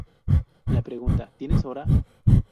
La pregunta "¿Tienes hora?